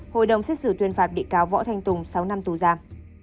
hội đồng xét xử tuyên phạt bị cáo võ thanh tùng sáu năm tù giam